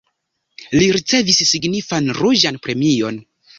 Li ricevis signifan reĝan premion.